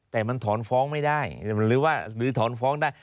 แต่มันถอนฟ้องไม่ได้หรือว่าหรือถอนฟ้องได้